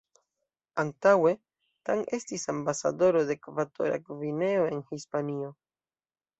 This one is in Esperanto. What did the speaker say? Antaŭe Tang estis ambasadoro de Ekvatora Gvineo en Hispanio.